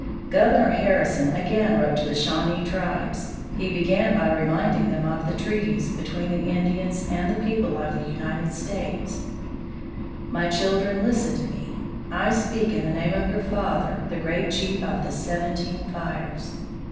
Governor Harrison again wrote to the Shawnee tribes. He began by reminding them of the treaties between the Indians and the people of the United States: "My children, listen to me. I speak in the name of your father, the great chief of the Seventeen Fires.